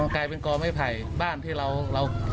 กลายเป็นกอไม้ไผ่บ้านที่เรา